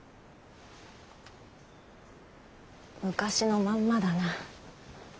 昔のまんまだな。